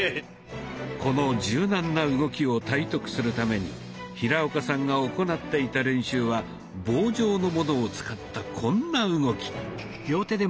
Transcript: この柔軟な動きを体得するために平岡さんが行なっていた練習は棒状のものを使ったこんな動き。